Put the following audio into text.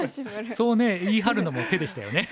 そうね言い張るのも手でしたよね。